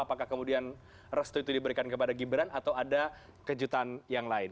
apakah kemudian restu itu diberikan kepada gibran atau ada kejutan yang lain